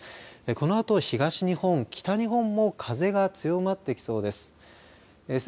このあと東日本、北日本も風が強まってきそうです。